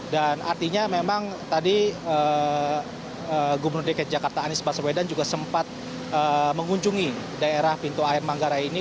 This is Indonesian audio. dan artinya memang tadi gubernur dekat jakarta anies baswedan juga sempat mengunjungi daerah pintu air manggarai ini